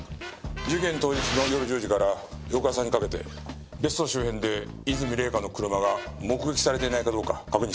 事件当日の夜１０時から翌朝にかけて別荘周辺で和泉礼香の車が目撃されていないかどうか確認してくれ。